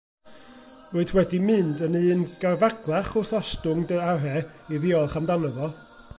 Rwyt wedi mynd yn un garfaglach wrth ostwng dy arre i ddiolch amdano fo.